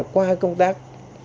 qua công tác